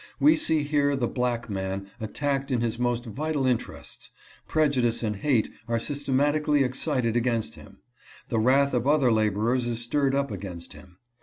"We see here the black man attacked in his most vital interests : prejudice and hate are systematically excited against him. The wrath of other laborers is stirred up against him.